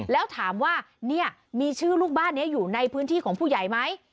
แล้วถามว่าเนี่ยมีชื่อลูกบ้านนี้อยู่ในพื้นที่ของผู้ใหญ่ไหม